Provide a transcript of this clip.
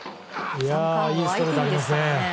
いいストレートを投げますね。